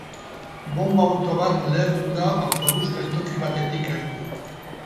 Bonba-auto bat lehertu da autobus-geltoki batetik gertu.